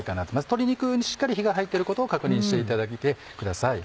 鶏肉にしっかり火が入ってることを確認していただいてください。